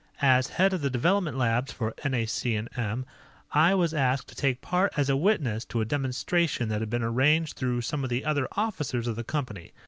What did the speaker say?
"As head of the development labs for NAC&M, I was asked to take part as a witness to a demonstration that had been arranged through some of the other officers of the company.